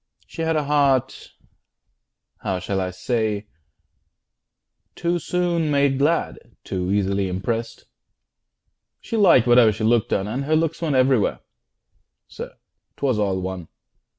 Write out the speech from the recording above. She had A heart how shall I say too soon made glad, Too easily impressed; she liked whate'er She looked on, and her looks went everywhere. Sir, 'twas all one!